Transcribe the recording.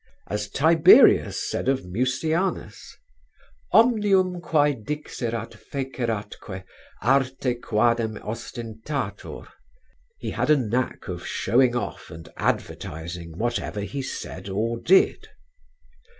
As Tiberius said of Mucianus: "Omnium quæ dixerat feceratque, arte quadam ostentator" (He had a knack of showing off and advertising whatever he said or did).